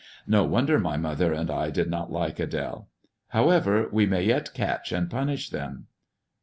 No wonder my mother and I did not like Ad^le. However, we may yet catch and punish them."